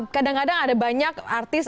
kadang kadang ada banyak artis